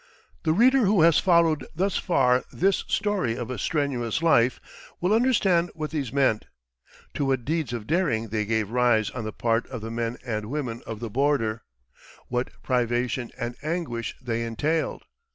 The reader who has followed thus far this story of a strenuous life, will understand what these meant; to what deeds of daring they gave rise on the part of the men and women of the border; what privation and anguish they entailed.